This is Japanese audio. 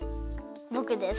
ぼくです。